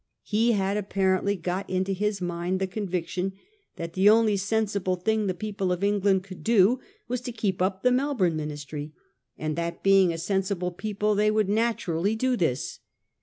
He had apparently got into his mind the conviction that the only sensible thing the people of England could do was to keep up the Melbourne Ministry, and that being a sensible people they would naturally do this.